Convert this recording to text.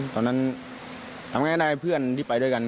ตอนนั้นทำยังไงก็ได้เพื่อนที่ไปด้วยกัน